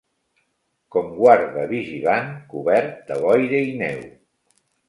Com guarda vigilant cobert de boira i neu